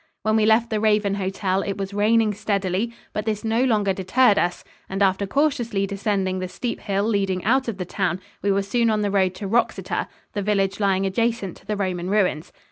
When we left the Raven Hotel it was raining steadily, but this no longer deterred us, and after cautiously descending the steep hill leading out of the town we were soon on the road to Wroxeter, the village lying adjacent to the Roman ruins.